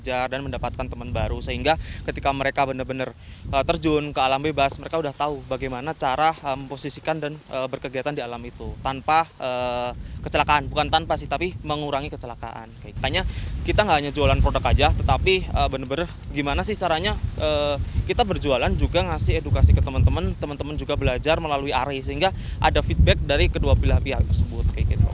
ada feedback dari kedua pilihan yang disebut